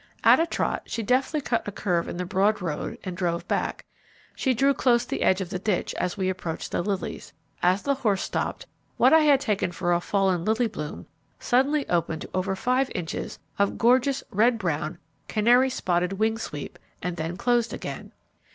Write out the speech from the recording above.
At a trot, she deftly cut a curve in the broad road and drove back. She drew close the edge of the ditch as we approached the lilies. As the horse stopped, what I had taken for a fallen lily bloom, suddenly opened to over five inches of gorgeous red brown, canary spotted wing sweep, and then closed again.